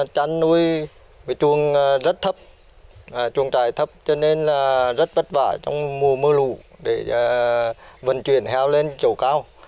chuồng chạy chống lũ rất thấp cho nên rất vất vả trong mùa mưa lũ để vận chuyển heo lên chỗ cao